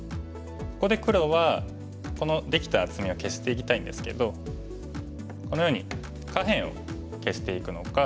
ここで黒はこのできた厚みを消していきたいんですけどこのように下辺を消していくのか。